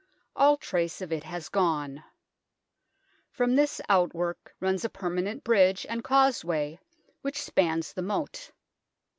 All trace of it has gone. From this outwork runs a permanent bridge and causeway, which spans the moat.